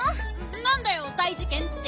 なんだよ大じけんって。